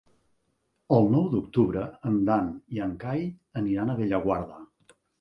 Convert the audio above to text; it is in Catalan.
El nou d'octubre en Dan i en Cai aniran a Bellaguarda.